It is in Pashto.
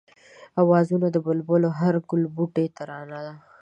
آوازونه د بلبلو هر گلبوټی ترانه ده